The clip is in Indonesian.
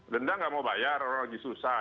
denda nggak mau bayar orang lagi susah